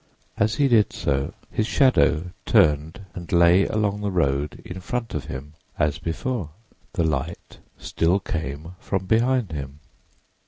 As he did so, his shadow turned and lay along the road in front of him as before. The light still came from behind him.